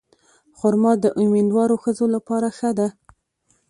خرما د امیندوارو ښځو لپاره ښه ده.